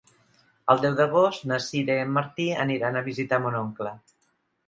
El deu d'agost na Sira i en Martí aniran a visitar mon oncle.